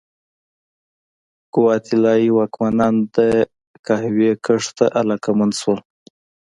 ګواتیلايي واکمنان د قهوې کښت ته علاقمند شول.